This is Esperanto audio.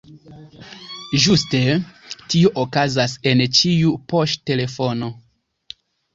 Ĝuste tio okazas en ĉiu poŝtelefono.